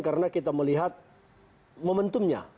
karena kita melihat momentumnya